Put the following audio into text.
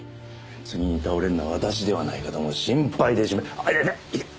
次に倒れるのは私ではないかともう心配で痛い痛い痛い。